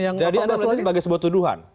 jadi sebagai sebuah tuduhan